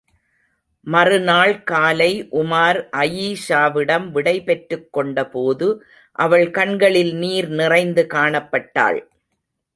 மறுநாள் காலை உமார் அயீஷாவிடம் விடை பெற்றுக் கொண்டபோது அவள் கண்களில் நீர் நிறைந்து காணப்பட்டாள்.